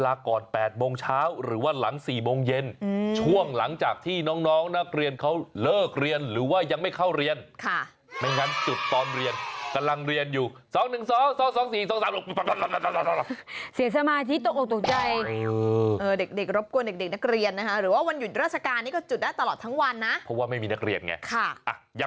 อยากเรียนวันหยุดของนักเรียนหรือว่าวันหยุดราชการใจก็จุดก็ได้ตลอดทั้งทุ่นทุ่นนี่นะ